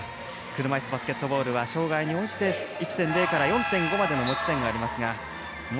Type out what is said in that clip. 車いすバスケットボールは障害に応じて１．０から４．５までの持ち点がありますが。